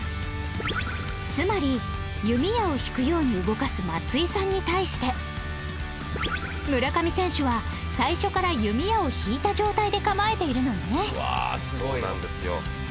つまり弓矢を引くように動かす松井さんに対して村上選手は最初から弓矢を引いた状態で構えているのね